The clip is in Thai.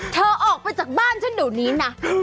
เธอออกไปจากบ้านฉันเดี๋ยวนี้นะ